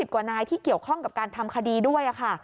กว่านายที่เกี่ยวข้องกับการทำคดีด้วยค่ะ